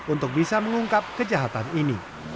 untuk bisa mengungkap kejahatan ini